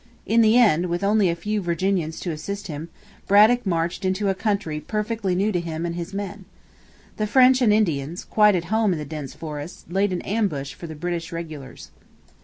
In the end, with only a few Virginians to assist him, Braddock marched into a country perfectly new to him and his men. The French and Indians, quite at home in the dense forest, laid an ambush for the British regulars.